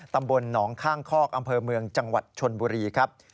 ตำบลหนองข้างคอกอำเภอเมืองจังหวัดชนบุรีครับ